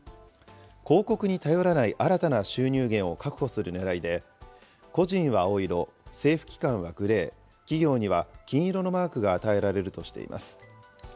広告に頼らない新たな収入源を確保するねらいで、個人は青色、政府機関はグレー、企業には金色のマークが与えられるとしています。